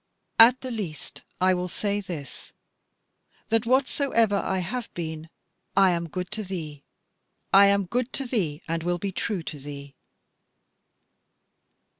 At the least I will say this, that whatsoever I have been, I am good to thee I am good to thee, and will be true to thee."